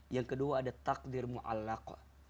yang kedua ada takdir mu'alak